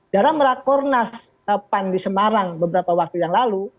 dalam rakornas pan di semarang beberapa waktu yang lalu